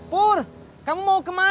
pur kamu mau kemana